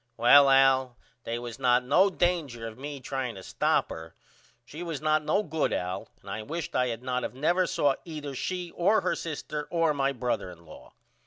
Well Al they was not no danger of me trying to stop her. She was not no good Al and I wisht I had not of never saw either she or her sister or my brother in law.